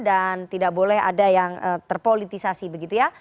dan tidak boleh ada yang terpolitisasi begitu ya